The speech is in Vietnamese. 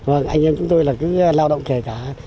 vâng anh em chúng tôi là cứ lao động kể cả